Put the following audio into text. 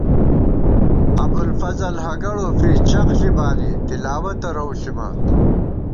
ابُوالفضل ہگَڑ اوفی چغ ݪی بانی تلاوَتہ رَؤ ݪِمان